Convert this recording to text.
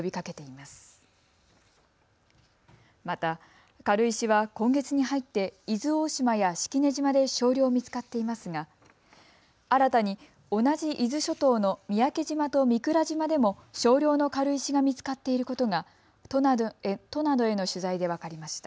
また軽石は今月に入って伊豆大島や式根島で少量見つかっていますが新たに同じ伊豆諸島の三宅島と御蔵島でも少量の軽石が見つかっていることが都などへの取材で分かりました。